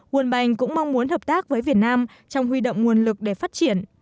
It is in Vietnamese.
world bank cũng mong muốn hợp tác với việt nam trong huy động nguồn lực để phát triển